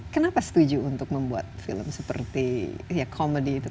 kenapa setuju untuk membuat film seperti ya komedi itu